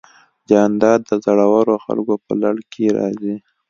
جانداد د زړورو خلکو په لړ کې راځي.